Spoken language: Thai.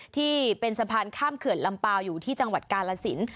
ที่เป็นสะพานข้ามเขื่อนลำเปล่าอยู่ที่จังหวัดกาลสิน